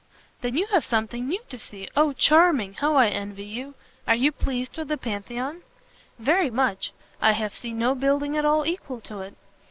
"Then you have something new to see; O charming! how I envy you! Are you pleased with the Pantheon?" "Very much; I have seen no building at all equal to it."